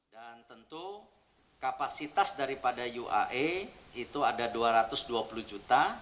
dan tentu kapasitas daripada uae itu ada dua ratus dua puluh juta